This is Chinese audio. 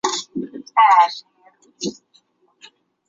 斯绍尔巴克。